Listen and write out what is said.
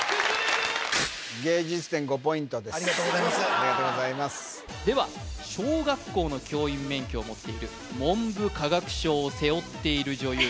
ありがとうございますでは小学校の教員免許を持っている文部科学省を背負っている女優